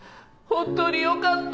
本当によかった！